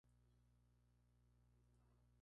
Pionero del Rock de Anatolia.